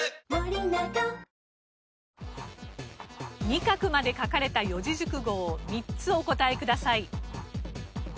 二画まで書かれた四字熟語を３つお答えください。